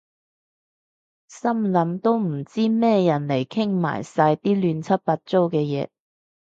心諗都唔知咩人嚟傾埋晒啲亂七八糟嘅偈